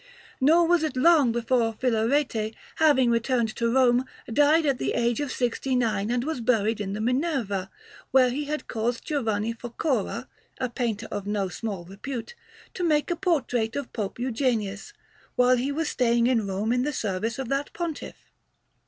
Nor was it long before Filarete, having returned to Rome, died at the age of sixty nine, and was buried in the Minerva, where he had caused Giovanni Foccora, a painter of no small repute, to make a portrait of Pope Eugenius, while he was staying in Rome in the service of that Pontiff.